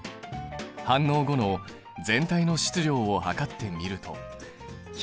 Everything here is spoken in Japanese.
反応後の全体の質量を量ってみると１０９．２２ｇ。